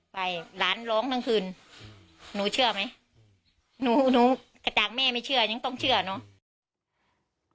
ไปหลานร้องทั้งคืนหนูเชื่อไหมหนูหนูกระจ่างแม่ไม่เชื่อยังต้องเชื่อเนอะ